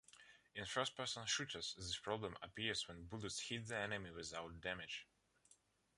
In first-person shooters, this problem appears when bullets hit the enemy without damage.